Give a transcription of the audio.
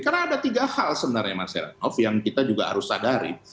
karena ada tiga hal sebenarnya mas heranov yang kita juga harus sadari